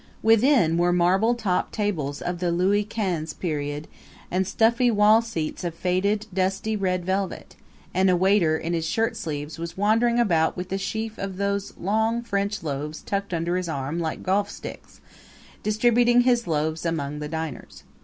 Within were marble topped tables of the Louie Quince period and stuffy wall seats of faded, dusty red velvet; and a waiter in his shirtsleeves was wandering about with a sheaf of those long French loaves tucked under his arm like golf sticks, distributing his loaves among the diners.